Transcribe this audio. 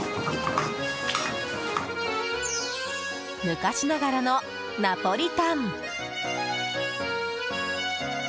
昔ながらのナポリタン。